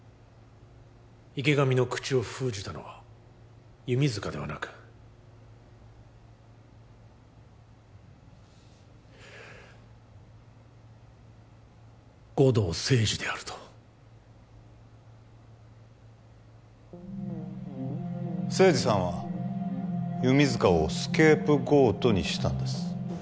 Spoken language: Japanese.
池上の口を封じたのは弓塚ではなく護道清二であると清二さんは弓塚をスケープゴートにしたんです